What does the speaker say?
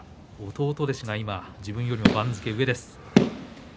弟弟子が今自分よりも番付が上です。